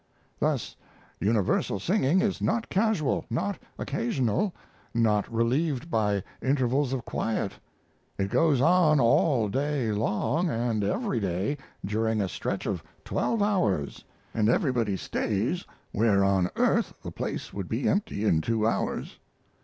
Thus universal singing is not casual, not occasional, not relieved by intervals of quiet; it goes on all day long and every day during a stretch of twelve hours. And everybody stays where on earth the place would be empty in two hours.